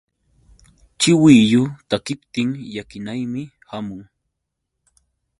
Chiwillu takiptin llakinaymi hamun.